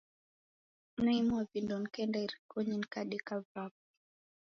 Naimwa vindo, nikaenda irikonyi nikadeka vapo.